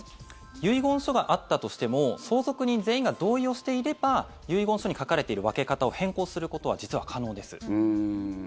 遺言書があったとしても相続人全員が同意をしていれば遺言書に書かれている分け方を変更することは実は可能です。